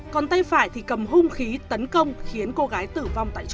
còn tay phải thì cầm hung khí tấn công khiến cô gái tử vong tại chỗ